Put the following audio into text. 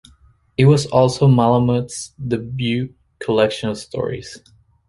It was also Malamud's debut collection of stories.